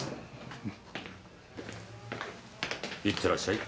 いってらっしゃい。